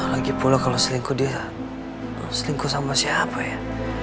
lagipula kalau selingkuh dia selingkuh sama siapa ya